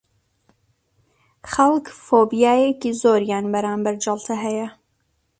خەڵک فۆبیایەکی زۆریان بەرامبەر جەڵتە هەیە